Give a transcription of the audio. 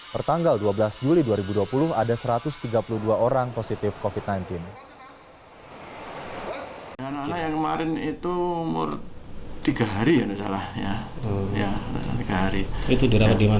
pertanggal dua belas juli dua ribu dua puluh ada satu ratus tiga puluh dua orang positif covid sembilan belas